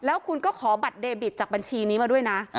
แล้วคุณก็ขอบัตรเดบิตจากบัญชีนี้มาด้วยนะ